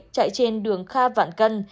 chạy trên đường kha vạn cân